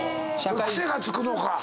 癖がつくのか。